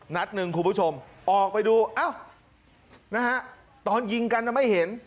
นัดหนึ่งคุณผู้ชมออกไปดูเอ้านะฮะตอนยิงกันไม่เห็น